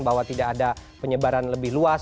bahwa tidak ada penyebaran lebih luas